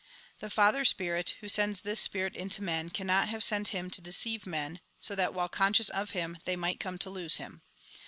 " The Father Spirit, who sends this Spirit into men, cannot have sent Him to deceive men, so that, while conscious of Him, they might come to lose Him.